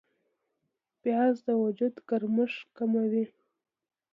پیاز د وجود ګرمښت کموي